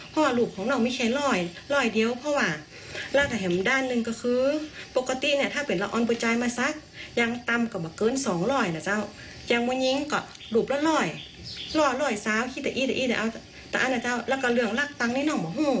ฟังเสียงของอาจารย์แป้งเขาหน่อยครับ